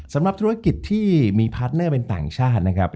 สำหรับธุรกิจที่มีพาร์ทเนอร์เป็นต่างชาตินะครับ